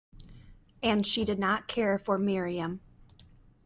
And she did not care for Miriam.